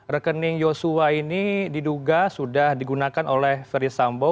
rekening osowa ini diduga sudah digunakan oleh ferdis sambo